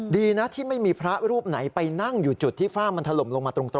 ดีนะที่ไม่มีพระรูปไหนไปนั่งอยู่จุดที่ฝ้ามันถล่มลงมาตรง